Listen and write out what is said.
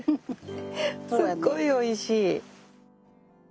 すっごいおいしい。